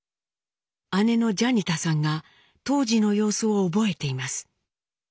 姉のジャニタさんが当時の様子を覚えています。